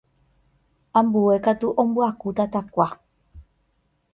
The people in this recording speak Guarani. ambue katu ombyaku tatakua.